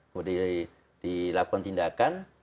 kemudian dilakukan tindakan